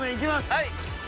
はい。